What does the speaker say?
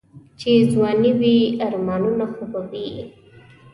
چې ځواني وي آرمانونه خو به وي.